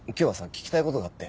聞きたい事があって。